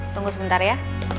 tunggu sebentar ya